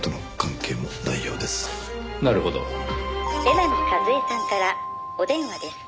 「江波和江さんからお電話です」